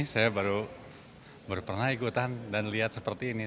saya baru pernah ikutan dan lihat seperti ini